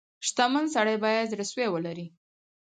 • شتمن سړی باید زړه سوی ولري.